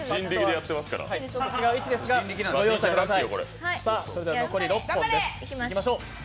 違う位置ですがご容赦ください。